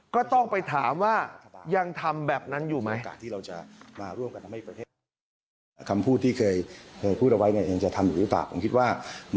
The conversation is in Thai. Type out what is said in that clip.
ก็ต้องไปถามว่ายังทำแบบนั้นอยู่ไหม